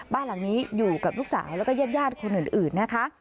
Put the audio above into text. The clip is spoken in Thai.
บ้านหลังนี้อยู่กับลูกสาวแล้วก็ญาติคนอื่นนะคะ